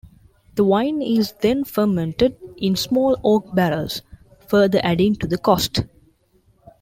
The wine is then fermented in small oak barrels, further adding to the cost.